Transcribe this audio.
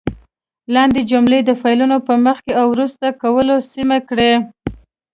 لاندې جملې د فعلونو په مخکې او وروسته کولو سمې کړئ.